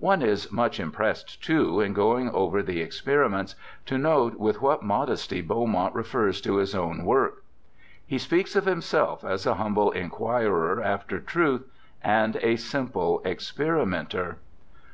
One is much impressed, too, in going over the experi ments, to note with what modesty Beaumont refers to his own work. He speaks of himself as a humble ' inquirer after truth and a simple experimenter